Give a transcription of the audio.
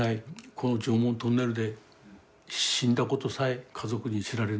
この常紋トンネルで死んだことさえ家族に知られない。